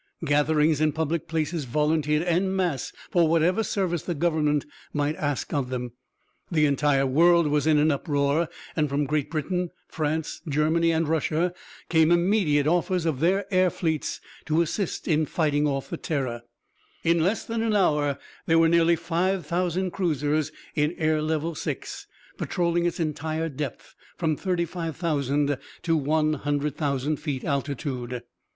Gatherings in public places volunteered en masse for whatever service the government might ask of them. The entire world was in an uproar, and from Great Britain, France, Germany and Russia, came immediate offers of their air fleets to assist in fighting off the Terror. In less than an hour there were nearly five thousand cruisers in air level six, patroling its entire depth from thirty five thousand to one hundred thousand feet altitude.